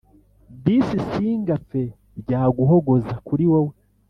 Disi singapfe byaguhogoza kuri wowe